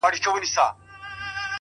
لکه د وينې مې رګونو کې روانه اوسه